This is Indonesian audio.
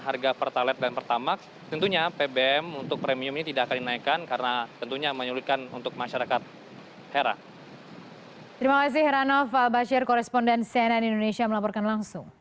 harga pertalite dan pertamak tentunya pbm untuk premium ini tidak akan dinaikkan karena tentunya menyulitkan untuk masyarakat